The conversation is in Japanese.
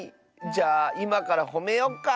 じゃあいまからほめよっか。